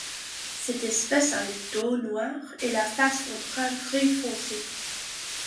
Cette espèce a le dos noir et la face ventrale gris foncé.